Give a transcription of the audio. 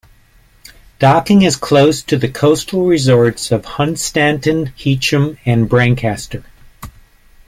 Docking is close to the coastal resorts of Hunstanton, Heacham and Brancaster.